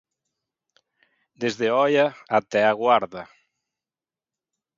Desde Oia ata a Guarda.